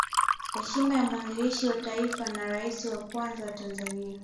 Heshima ya mwanzilishi wa Taifa na Rais wa kwanza wa Tanzania